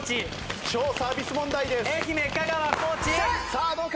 さあどうか？